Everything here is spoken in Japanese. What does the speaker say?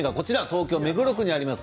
東京・目黒区にあります